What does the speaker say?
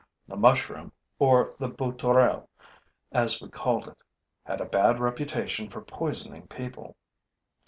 The mushroom, or the bouturel, as we called it, had a bad reputation for poisoning people.